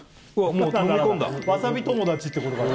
もうわさび友達ってことかな？